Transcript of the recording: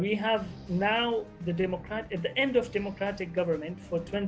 sekarang pada akhir pemerintahan demokrat selama dua puluh tahun